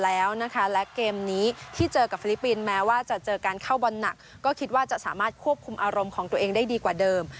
แล้วนะคะและเกมนี้ที่เจอกับฟิลิปปินส์แม้ว่าจะเจอการเข้าบอลหนักก็คิดว่าจะสามารถควบคุมอารมณ์ของตัวเองได้ดีกว่าเดิม